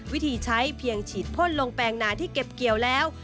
วิธีใช้เพียงฉีดพ่นลงแปลงนาที่เก็บเกี่ยวแล้ว